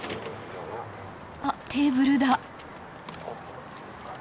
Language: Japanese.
あっテーブルだ。